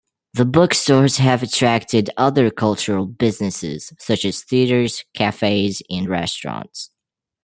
The bookstores have attracted other cultural businesses such as theaters cafes and restaurants.